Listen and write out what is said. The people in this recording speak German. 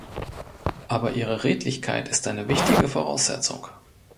Aber ihre Redlichkeit ist eine wichtige Voraussetzung.